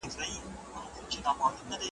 د کور کار باید د جکړو له امله نه پاتې شي.